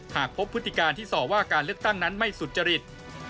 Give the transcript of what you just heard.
หากพบพฤติการที่ส่อว่าการเลือกตั้งนั้นไม่สุจริต